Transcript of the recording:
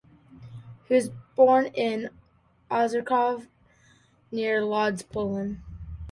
He was born in Ozorkov, near Lodz, Poland.